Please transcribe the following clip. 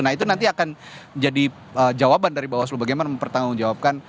nah itu nanti akan jadi jawaban dari bawaslu bagaimana mempertanggungjawabkan